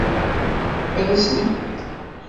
Ad s-nbedd.